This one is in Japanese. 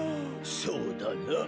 そうだな。